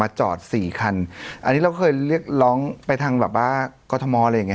จอดสี่คันอันนี้เราเคยเรียกร้องไปทางแบบว่ากรทมอะไรอย่างเง